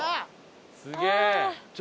すげえ！